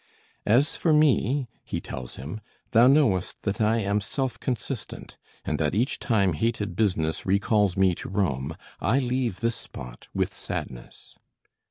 "As for me," he tells him, "thou knowest that I am self consistent, and that each time hated business recalls me to Rome I leave this spot with sadness."